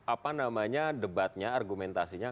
apa namanya debatnya argumentasinya